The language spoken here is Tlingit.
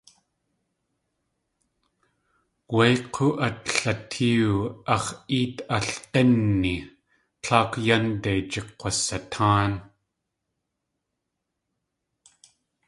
Wé k̲oo at latéewu ax̲ éet alg̲ínni tláakw yánde jikk̲wasatáan.